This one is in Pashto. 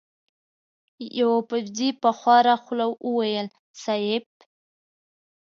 يوه پوځي په خواره خوله وويل: صېب!